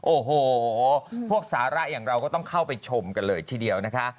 โอ้โหพวกสาระอย่างเราก็ต้องเข้าไปชมกันเลยทีเดียวนะคะ